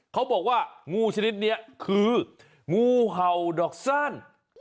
เขาบอกว่างูชนิดนี้คืองูเห่าดอกสั้น